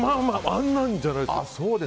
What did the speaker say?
あんなんじゃないです。